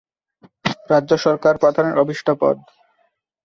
রাজ্য সরকার প্রধানের অভীষ্ট পদ।